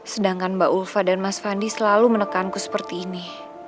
sedangkan mbak ulfa dan mas fandi selalu menekanku seperti ini